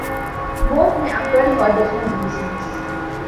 Both may occur for different reasons.